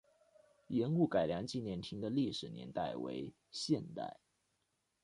盐务改良纪念亭的历史年代为现代。